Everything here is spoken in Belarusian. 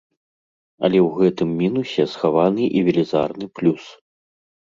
Але ў гэтым мінусе схаваны і велізарны плюс.